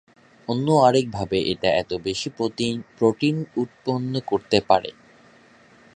অন্য আরেকভাবে এটা এত বেশি প্রোটিন উৎপন্ন করতে পারে।